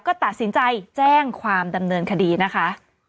ก็ตัดสินใจแจ้งความดำเนินคดีนะคะ